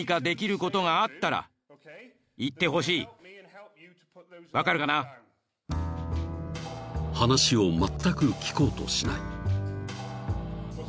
［話をまったく聞こうとしない］